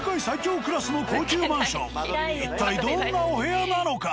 一体どんなお部屋なのか。